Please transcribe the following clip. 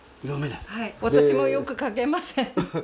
私もよく書けません。